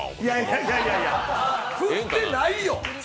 いやいやいや、振ってないよ